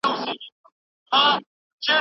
کورنۍ مستې غوره دي.